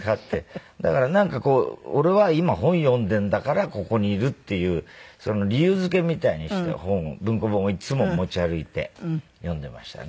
だからなんかこう俺は今本を読んでるんだからここにいるっていう理由付けみたいにして本を文庫本をいっつも持ち歩いて読んでましたね。